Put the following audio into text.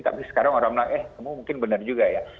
tapi sekarang orang bilang eh kamu mungkin benar juga ya